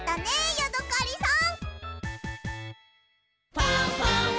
ヤドカリさん！